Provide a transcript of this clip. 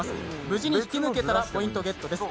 無事に引き抜けたらポイントゲットです。